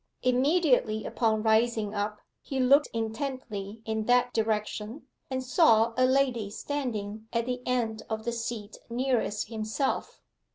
Immediately upon rising up, he looked intently in that direction, and saw a lady standing at the end of the seat nearest himself.